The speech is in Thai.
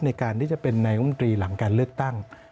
ในการที่จะเป็นนายกรมตรีหลังการเลือกตั้ง